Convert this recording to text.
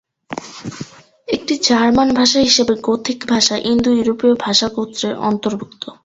একটি জার্মান ভাষা হিসেবে গথিক ভাষা ইন্দো-ইউরোপীয় ভাষা গোত্রের অর্ন্তভূক্ত।